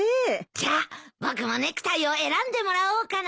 じゃあ僕もネクタイを選んでもらおうかな。